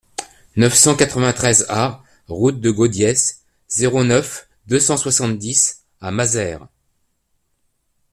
neuf cent quatre-vingt-treize A route de Gaudiès, zéro neuf, deux cent soixante-dix à Mazères